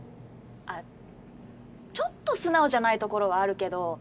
あっちょっと素直じゃないところはあるけど